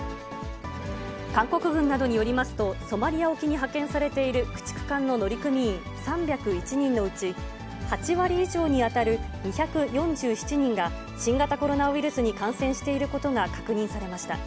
韓国軍などによりますと、ソマリア沖に派遣されている駆逐艦の乗組員３０１人のうち、８割以上に当たる２４７人が、新型コロナウイルスに感染していることが確認されました。